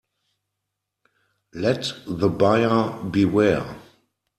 Let the buyer beware.